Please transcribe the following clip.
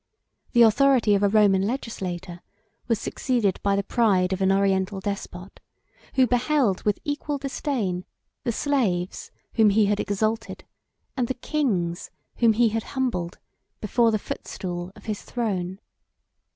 The authority of a Roman legislator, was succeeded by the pride of an Oriental despot, who beheld, with equal disdain, the slaves whom he had exalted, and the kings whom he had humbled before the footstool of his throne.